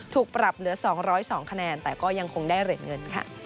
ถูกปรับเหลือ๒๐๒คะแนนแต่ก็ยังคงได้เหรียญเงินค่ะ